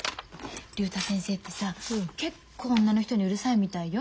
竜太先生ってさ結構女の人にうるさいみたいよ。